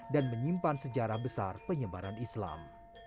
menyimpan sejarah besar penyebaran islam